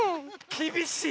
きびしい！